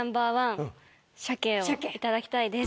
いただきたいです。